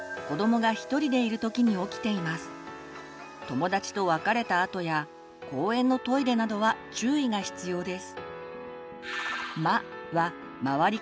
友達と別れたあとや公園のトイレなどは注意が必要です。